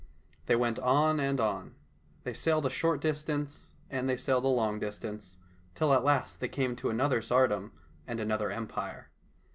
They went on and on. They sailed a short distance and they sailed a long distance, till at last they came to another tsardom and another empire.